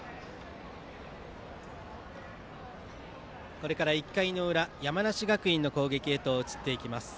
これから１回の裏山梨学院の攻撃へと移っていきます。